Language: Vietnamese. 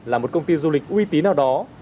là một công ty du lịch uy tín nào đó